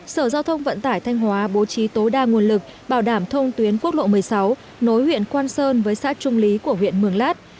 sở giao thông vận tải thanh hóa bố trí tối đa nguồn lực bảo đảm thông tuyến quốc lộ một mươi sáu nối huyện quan sơn với xã trung lý của huyện mường lát